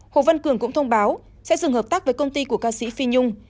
hồ văn cường cũng thông báo sẽ dừng hợp tác với công ty của ca sĩ phi nhung